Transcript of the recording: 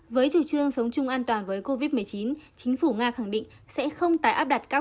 với chủ trương sống chung an toàn với covid một mươi chín chính phủ nga khẳng định sẽ không tái áp đặt các